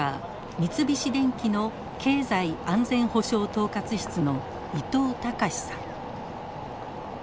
三菱電機の経済安全保障統括室の伊藤隆さん。